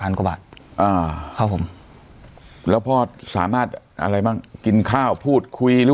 กว่าบาทอ่าครับผมแล้วพ่อสามารถอะไรบ้างกินข้าวพูดคุยหรือ